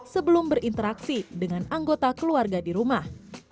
sebelum berinteraksi dengan anggota keluarga di rumah